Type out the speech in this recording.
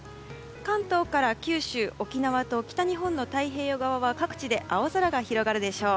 関東から九州・沖縄と北日本の太平洋側は各地で青空が広がるでしょう。